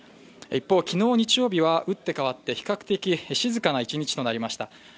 一方昨日日曜日は打って変わって、比較的静かな一日となりました。